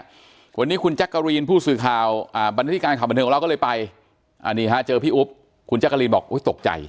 วันนี้คุณแจ๊กกะรีนผู้สื่อข่าวอ่าบรรณิการข่าวบันเทิงของเราก็เลยไปอันนี้ฮะเจอพี่อุ๊บคุณแจ๊กกะรีนบอกตกใจ